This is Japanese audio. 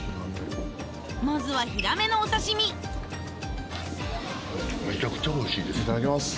まずはヒラメのお刺身いただきます。